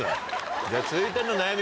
じゃあ続いての悩み